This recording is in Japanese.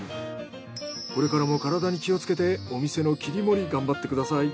これからも体に気をつけてお店の切り盛り頑張ってください。